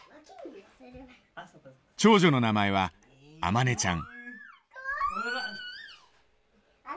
長女の名前は天音ちゃん。